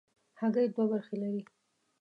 هګۍ دوه برخې لري.